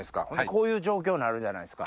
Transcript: こういう状況になるじゃないですか。